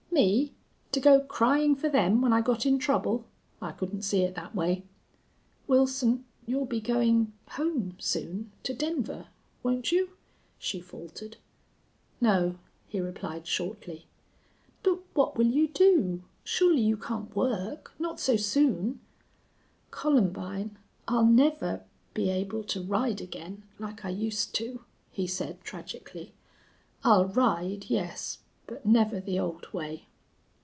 "Me? To go crying for them when I got in trouble? I couldn't see it that way." "Wilson, you'll be going home soon to Denver won't you?" she faltered. "No," he replied, shortly. "But what will you do? Surely you can't work not so soon?" "Columbine, I'll never be able to ride again like I used to," he said, tragically. "I'll ride, yes, but never the old way."